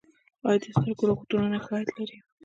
آیا د سترګو روغتونونه ښه عاید لري؟